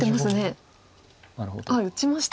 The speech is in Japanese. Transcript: あっ打ちました。